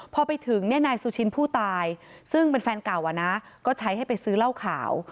พอไปถึงนายสุชินผู้ตายซึ่งเป็นแฟนเก่าก็ใช้ให้ไปซื้อเหล้าขาว